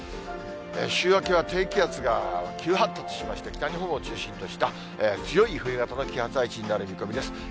週明けは低気圧が急発達しまして、北日本を中心とした強い冬型の気圧配置になる見込みです。